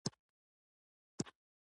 هغه د ښه ژوند له امکاناتو محرومیږي.